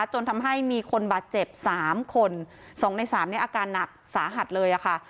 จนทำให้มีคนบาดเจ็บสามคนสองในสามเนี่ยอาการหนักสาหัสเลยอะค่ะ